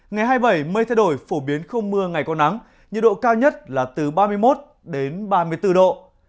ngày hai mươi bảy mây thay đổi phổ biến không mưa ngày có nắng nhiệt độ cao nhất là từ ba mươi một đến ba mươi bốn độ